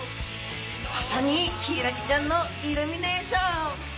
まさにヒイラギちゃんのイルミネーション！